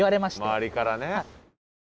周りからね。